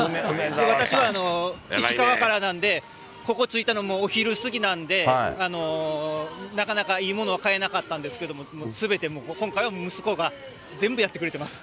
私は石川からなんで、ここ着いたのもお昼過ぎなんで、なかなかいいものは買えなかったんですけど、すべてもう今回は息子が、全部やってくれてます。